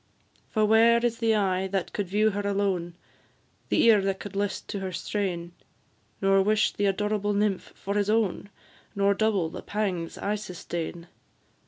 For where is the eye that could view her alone, The ear that could list to her strain, Nor wish the adorable nymph for his own, Nor double the pangs I sustain?